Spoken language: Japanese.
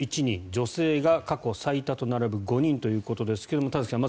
女性が、過去最多と並ぶ５人ということですが田崎さん